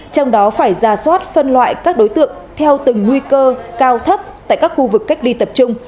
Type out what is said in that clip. trong đó phải ra soát phân loại các đối tượng theo từng nguy cơ cao thấp tại các khu vực cách ly tập trung